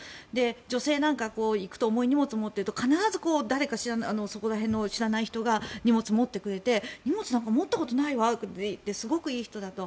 女性なんか行くと重い荷物を持っていると必ず誰かそこら辺の知らない人が荷物を持ってくれて荷物なんか持ったことないわすごくいい人だと。